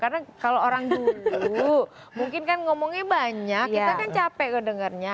karena kalau orang dulu mungkin kan ngomongnya banyak kita kan capek kok dengarnya